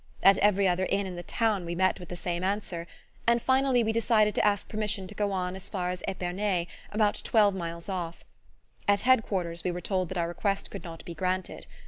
At every other inn in the town we met with the same answer; and finally we decided to ask permission to go on as far as Epernay, about twelve miles off. At Head quarters we were told that our request could not be granted.